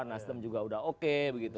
nasdem juga sudah oke begitu